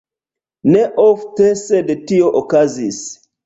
Ne ofte, sed tio okazis.